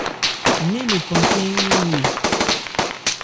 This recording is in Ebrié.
Nɛ́n lephan khɛ́n ń wu o.